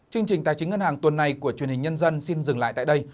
chương trình tài chính ngân hàng tuần này của truyền hình nhân dân xin dừng lại tại đây